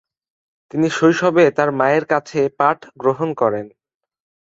তিনি শৈশবে তার মায়ের কাছে পাঠ গ্রহণ করেন।